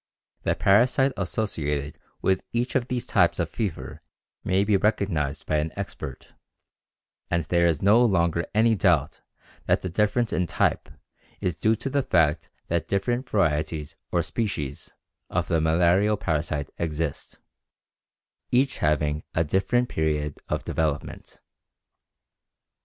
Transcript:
The parasite associated with each of these types of fever may be recognized by an expert, and there is no longer any doubt that the difference in type is due to the fact that different varieties or "species" of the malarial parasite exist, each having a different period of development.